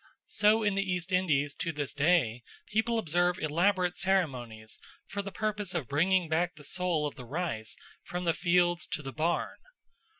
So in the East Indies to this day people observe elaborate ceremonies for the purpose of bringing back the Soul of the Rice from the fields to the barn.